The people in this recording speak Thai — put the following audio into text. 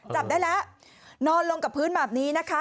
จับได้แล้วนอนลงกับพื้นแบบนี้นะคะ